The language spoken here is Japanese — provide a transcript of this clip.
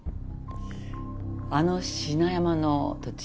あの品山の土地